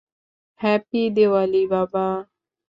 Happy Diwali, বাবা।